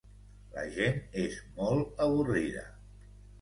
La gent és molt avorrida.